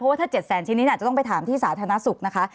ว่าถ้า๗แสนชิ้นนี้อาจจะต้องไปถามที่สาธารณสุขนะคะ